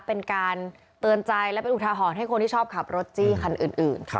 เป็นการเตือนใจและเป็นอุทาหรณ์ให้คนที่ชอบขับรถจี้คันอื่น